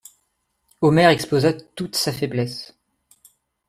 Omer exposa toute sa faiblesse.